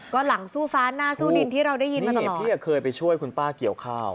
ก็หลังสู้ฟ้าหน้าสู้ดินที่เราได้ยินมาแต่พี่เคยไปช่วยคุณป้าเกี่ยวข้าว